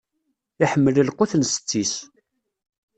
Iḥemmel lqut n setti-s.